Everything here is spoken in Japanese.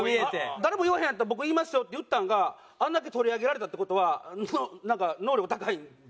誰も言わへんのやったら僕言いますよって言ったんがあんだけ取り上げられたって事はなんか。